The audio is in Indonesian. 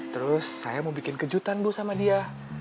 terus saya mau bikin kejutan bu sama dia